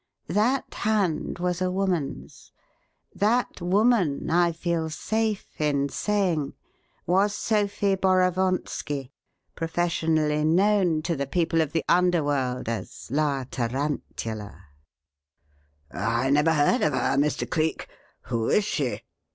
That hand was a woman's; that woman, I feel safe in saying, was Sophie Borovonski, professionally known to the people of the underworld as 'La Tarantula.'" "I never heard of her, Mr. Cleek. Who is she?"